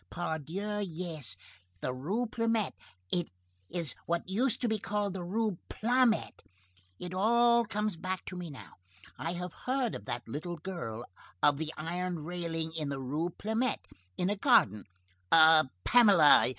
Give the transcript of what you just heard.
—Pardieu, yes, the Rue Plumet. It is what used to be called the Rue Blomet.—It all comes back to me now. I have heard of that little girl of the iron railing in the Rue Plumet. In a garden, a Pamela.